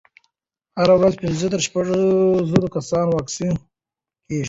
هره ورځ پنځه تر شپږ زره کسانو واکسین کېږي.